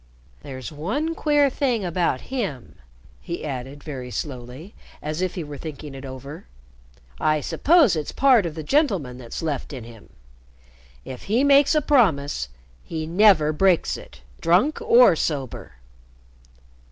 There's one queer thing about him," he added very slowly, as if he were thinking it over, "I suppose it's part of the gentleman that's left in him. If he makes a promise, he never breaks it, drunk or sober."